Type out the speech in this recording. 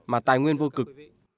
mà tài nguyên vô cực